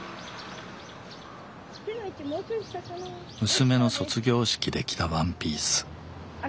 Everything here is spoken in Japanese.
娘の卒業式で着たワンピース。